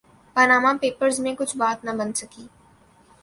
Panama papers میں کچھ بات نہ بن سکی۔